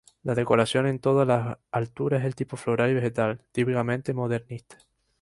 La decoración en todas las alturas es de tipo floral y vegetal, típicamente modernista.